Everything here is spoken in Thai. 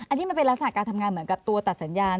อันนี้มันเป็นลักษณะการทำงานเหมือนกับตัวตัดสัญญาณ